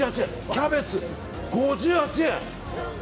キャベツ、５８円。